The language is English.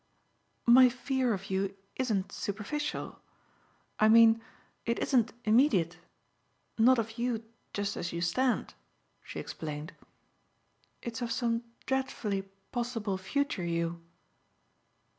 "My fear of you isn't superficial. I mean it isn't immediate not of you just as you stand," she explained. "It's of some dreadfully possible future you."